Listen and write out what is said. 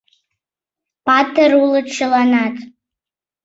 Патыр улыт чыланат